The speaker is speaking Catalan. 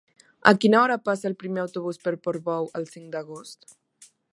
A quina hora passa el primer autobús per Portbou el cinc d'agost?